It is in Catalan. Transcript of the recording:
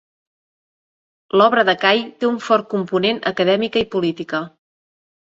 L'obra de Cai té un fort component acadèmica i política.